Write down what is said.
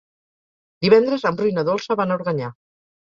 Divendres en Bru i na Dolça van a Organyà.